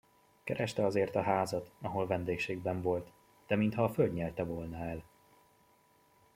Kereste azért a házat, ahol vendégségben volt, de mintha a föld nyelte volna el.